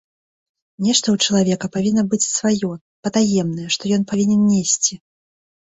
Нешта ў чалавека павінна быць сваё, патаемнае, што ён павінен несці.